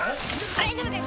大丈夫です